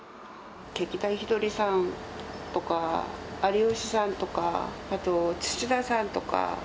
劇団ひとりさんとか、有吉さんとか、あと土田さんとか。